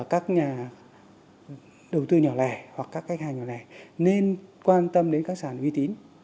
các nhà đầu tư nhỏ lẻ hoặc các khách hàng nhỏ lẻ nên quan tâm đến các sản uy tín